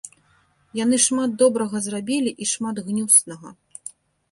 Яны шмат добрага зрабілі і шмат гнюснага.